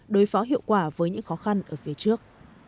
đối phó hiệu quả với những khó khăn ở phía trước